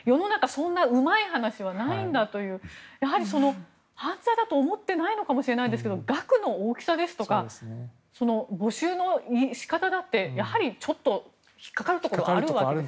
そんなにうまい話はないと犯罪だと思っていないのかもしれませんけど額の大きさですとか募集の仕方だってやはり、ちょっと引っかかるところがあるわけですよね。